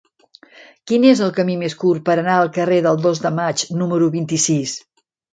Quin és el camí més curt per anar al carrer del Dos de Maig número vint-i-sis?